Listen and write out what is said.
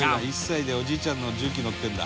「１歳でおじいちゃんの重機に乗ってんだ」